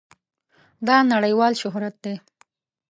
دا نړېوال شهرت دی.